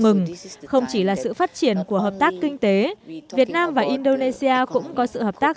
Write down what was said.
ngừng không chỉ là sự phát triển của hợp tác kinh tế việt nam và indonesia cũng có sự hợp tác